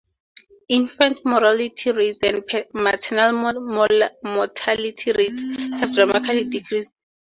Infant mortality rates and maternal mortality rates have dramatically decreased.